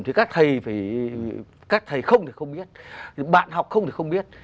thì các thầy không thì không biết bạn học không thì không biết